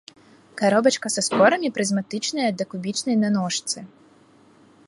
Каробачка са спорамі прызматычная да кубічнай на ножцы.